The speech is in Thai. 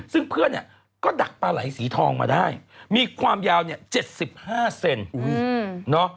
ซึ่งเพื่อนเนี่ยก็ดักปลาไหลสีทองมาได้มีความยาวเนี่ย๗๕เซน